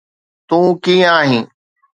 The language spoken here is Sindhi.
تون ڪيئن آهين؟